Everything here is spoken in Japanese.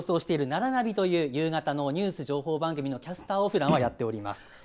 「ならナビ」という夕方のニュース情報番組のキャスターをふだんやっております。